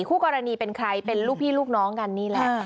คู่กรณีเป็นใครเป็นลูกพี่ลูกน้องกันนี่แหละ